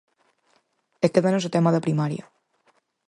E quédanos o tema da primaria.